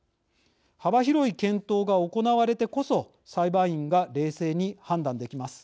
幅広い検討が行われてこそ裁判員が冷静に判断できます。